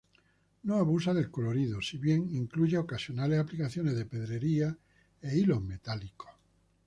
No abusa del colorido, si bien incluye ocasionales aplicaciones de pedrería e hilos metálicos.